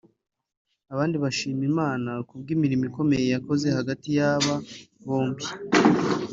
abandi bashima Imana kubw’imirimo ikomeye yakoze hagati y’aba bombi